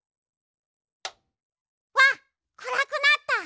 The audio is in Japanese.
わっくらくなった！